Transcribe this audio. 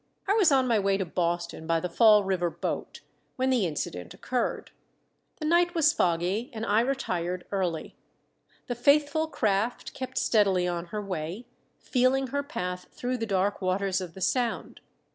I was on my way to Boston by the Fall River boat when the incident occurred. The night was foggy, and I retired early. The faithful craft kept steadily on her way, feeling her path through the dark waters of the sound.